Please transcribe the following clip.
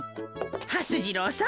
はす次郎さん